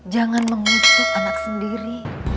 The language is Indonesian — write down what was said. jangan mengutuk anak sendiri